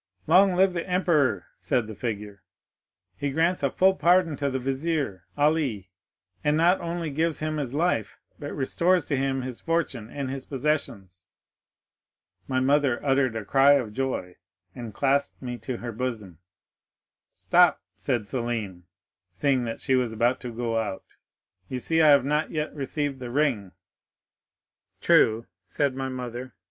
'—'Long live the emperor!' said the figure. 'He grants a full pardon to the Vizier Ali, and not only gives him his life, but restores to him his fortune and his possessions.' My mother uttered a cry of joy, and clasped me to her bosom. 'Stop,' said Selim, seeing that she was about to go out; 'you see I have not yet received the ring,'—'True,' said my mother.